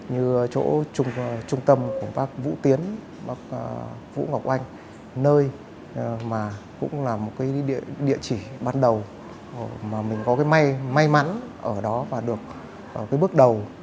như chỗ trung tâm của bác vũ tiến bác vũ ngọc anh nơi mà cũng là một địa chỉ ban đầu mà mình có may mắn ở đó và được bước đầu